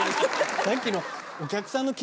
さっきの。